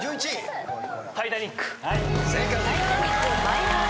『タイタニック』正解。